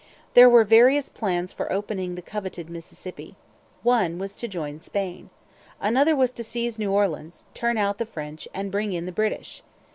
There were various plans for opening the coveted Mississippi. One was to join Spain. Another was to seize New Orleans, turn out the French, and bring in the British.